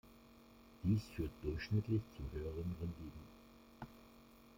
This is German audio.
Dies führt durchschnittlich zu höheren Renditen.